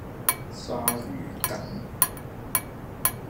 鯊魚粳